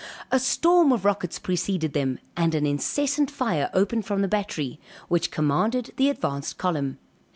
A storm of rockets preceded them, and an incessant fire opened from the battery, which commanded the advanced column.